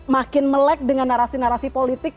makin melek dengan narasi narasi politik